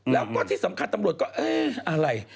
แล้วก็ที่สำคัญตำรวจก็เอ๊ะอะไร